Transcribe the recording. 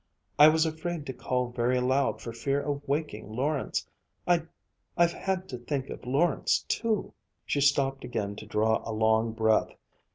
I was afraid to call very loud for fear of waking Lawrence. I've had to think of Lawrence too." She stopped again to draw a long breath.